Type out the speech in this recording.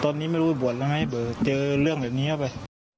ตอนนี้ไม่รู้บทแล้วไงเบอร์เจอเรื่องแบบนี้ไป